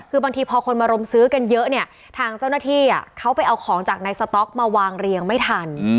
คือบางทีพอคนมารุมซื้อกันเยอะเนี่ยทางเจ้าหน้าที่เขาไปเอาของจากในสต๊อกมาวางเรียงไม่ทัน